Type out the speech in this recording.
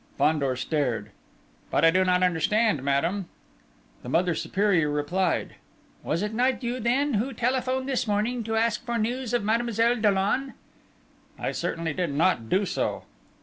Fandor stared. "But I do not understand, madame?" The Mother Superior replied: "Was it not you then who telephoned this morning to ask for news of Mademoiselle Dollon?" "I certainly did not do so!"